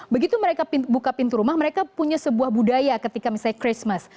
begitu mereka buka pintu rumah mereka punya sebuah budaya ketika misalnya christmas